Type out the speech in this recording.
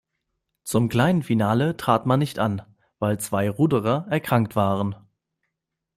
Zum kleinen Finale trat man nicht an, weil zwei Ruderer erkrankt waren.